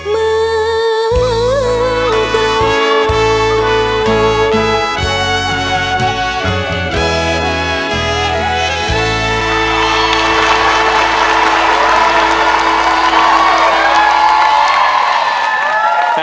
เมื่อเก่า